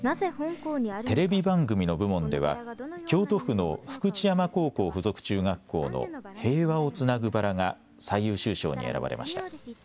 テレビ番組の部門では京都府の福知山高校附属中学校の平和をつなぐバラが最優秀賞に選ばれました。